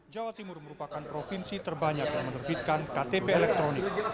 jawa timur merupakan provinsi terbanyak yang menerbitkan ktp elektronik